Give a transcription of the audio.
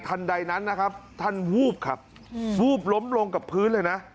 ทันใดนั้นนะครับท่านวูบครับวูบล้มลงกับพื้นเลยนะ